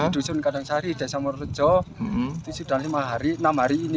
di dusun kandang sari desa mororejo sudah lima hari enam hari ini